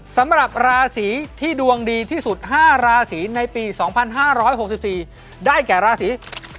สำหรับราศีที่ดวงดีที่สุด๕ราศีในปี๒๕๖๔ได้แก่ราศี